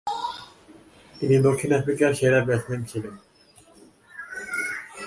তিনি দক্ষিণ আফ্রিকার সেরা ব্যাটসম্যান ছিলেন।